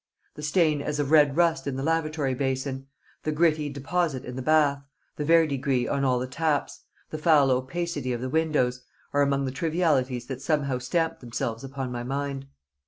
The stain as of red rust in the lavatory basin, the gritty deposit in the bath, the verdigris on all the taps, the foul opacity of the windows, are among the trivialities that somehow stamped themselves upon my mind.